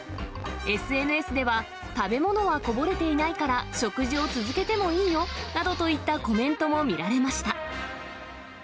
ＳＮＳでは、食べ物はこぼれていないから食事を続けてもいいよなどといったコメントも見られました。